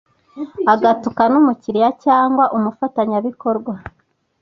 agatuka n’umukiliya cyangwa umufatanyabikorwa